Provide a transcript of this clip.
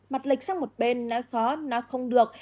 mặt lệch sang một bên nói khó nói không được